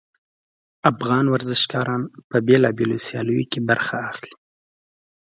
افغان ورزشګران په بیلابیلو سیالیو کې برخه اخلي